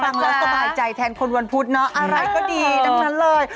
ฟังแล้วสบายใจแทนคนวันพุธเนอะอะไรก็ดีทั้งนั้นเลย